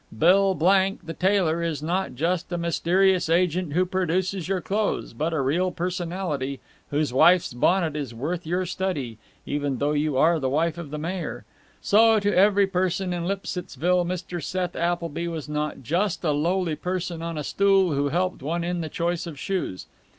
Bill Blank, the tailor, is not just a mysterious agent who produces your clothes, but a real personality, whose wife's bonnet is worth your study, even though you are the wife of the mayor. So to every person in Lipsittsville Mr. Seth Appleby was not just a lowly person on a stool who helped one in the choice of shoes.